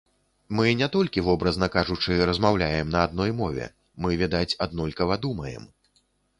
Мы не толькі, вобразна кажучы, размаўляем на адной мове, мы, відаць, аднолькава думаем.